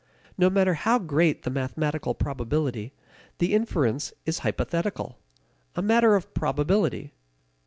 No matter how great the mathematical probability, the inference is hypothetical a matter of probability.